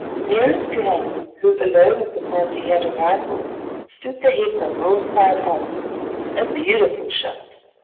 Nearest to Hadden, who alone of the party had a rifle, stood the heifer broadside on—a beautiful shot.